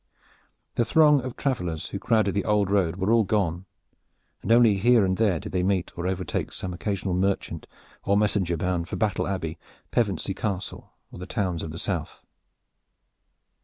The throng of travelers who crowded the old road were all gone, and only here and there did they meet or overtake some occasional merchant or messenger bound for Battle Abbey, Pevensey Castle or the towns of the south.